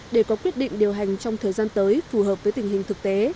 để có quyết định điều hành trong thời gian tới phù hợp với tình hình thực tế